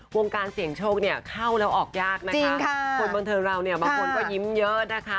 วงการเสี่ยงโชคเนี่ยเข้าแล้วออกยากนะคะคนบันเทิงเราเนี่ยบางคนก็ยิ้มเยอะนะคะ